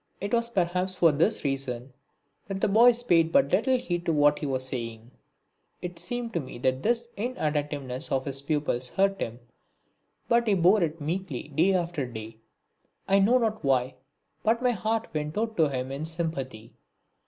It was perhaps for this reason that the boys paid but little heed to what he was saying. It seemed to me that this inattentiveness of his pupils hurt him, but he bore it meekly day after day. I know not why, but my heart went out to him in sympathy.